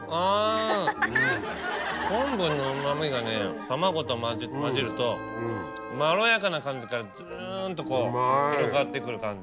昆布のうまみがね卵と混じるとまろやかな感じからずんとこう広がってくる感じ。